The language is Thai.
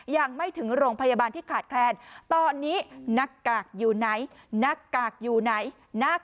ยังไม่ถึงโรงพยาบาลที่ขาดแคลนตอนนี้หน้ากากอยู่ไหน